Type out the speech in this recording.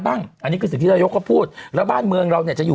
บ้างอันนี้คือสิ่งที่ระยกก็พูดแล้วบ้านเมืองเราจะอยู่